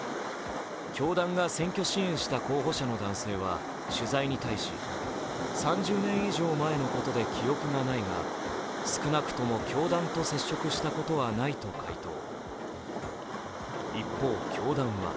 教団が選挙支援した候補者の男性は取材に対し、３０年以上前のことで記憶がないが少なくとも教団と接触したことはないと回答。